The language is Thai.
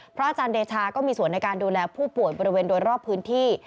อาจารย์เดชาก็มีส่วนในการดูแลผู้ป่วยบริเวณโดยรอบพื้นที่